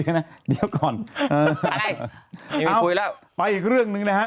ไหมนะเดี๋ยวก่อนอะไรไม่มีคุยแล้วไปอีกเรื่องหนึ่งนะฮะ